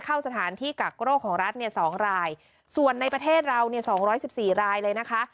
เข้าสถานที่กักโรคของรัฐ๒รายส่วนในประเทศเรา๒๑๔รายเลยนะคะ